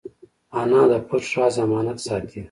انا د پټ راز امانت ساتي